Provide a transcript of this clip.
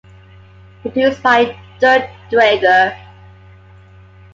Produced by Dirk Draeger.